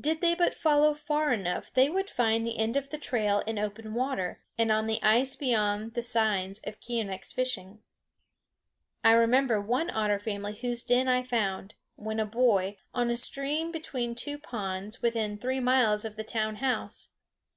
Did they but follow far enough they would find the end of the trail in open water, and on the ice beyond the signs of Keeonekh's fishing. I remember one otter family whose den I found, when a boy, on a stream between two ponds within three miles of the town house.